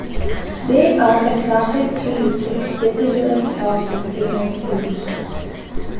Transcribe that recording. They are attractive trees with deciduous glossy pinnate leaves.